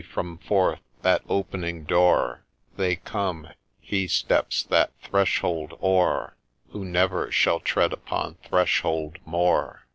— from forth that opening door They come — HE steps that threshold o'er Who never shall tread upon threshold more